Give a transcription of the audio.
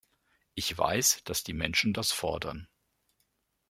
Ich weiß, dass die Menschen das fordern.